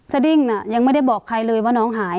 สดิ้งน่ะยังไม่ได้บอกใครเลยว่าน้องหาย